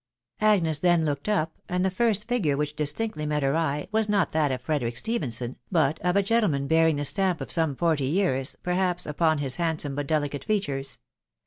Agnes then looked up, and the first figure which distinctly met her eye was not that of Frederick Stephenson, but of a gentleman bearing the stamp of some forty years, perhaps, upon his handsome but delicate features.